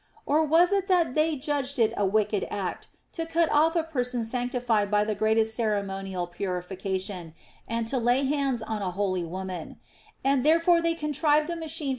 Or was it that they judged it a wicked act to cut off a person sanctified by the greatest ceremonial purification, and to lay hands on a holy woman ; and therefore they contrived a machine THE ROMAN QUESTIONS.